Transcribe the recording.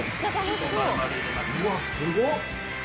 うわっすごっ！